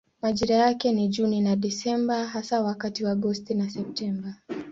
Majira yake ni Juni na Desemba hasa wakati wa Agosti na Septemba.